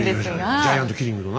ジャイアントキリングのな？